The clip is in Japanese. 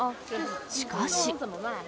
しかし。